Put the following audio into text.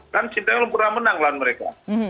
kan si taeyong pernah menang lawan mereka